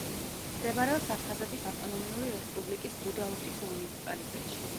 მდებარეობს აფხაზეთის ავტონომიური რესპუბლიკის გუდაუთის მუნიციპალიტეტში.